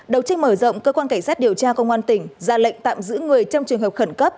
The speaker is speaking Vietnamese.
đầu tranh mở rộng cơ quan cảnh sát điều tra công an tỉnh ra lệnh tạm giữ người trong trường hợp khẩn cấp